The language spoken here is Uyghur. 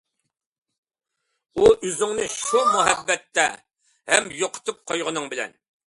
ئۆز-ئۆزۈڭنى شۇ مۇھەببەتتە، ھەم يوقىتىپ قويغىنىڭ بىلەن.